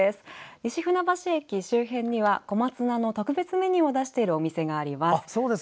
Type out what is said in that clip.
西船橋駅周辺には小松菜の特別メニューを出しているお店があります。